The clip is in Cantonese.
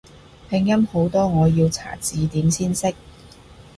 拼音好多我要查字典先識